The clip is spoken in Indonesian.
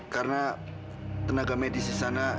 karena tenaga medis disana